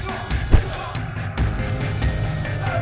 nanti kita ketemu ya